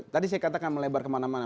tadi saya katakan melebar kemana mana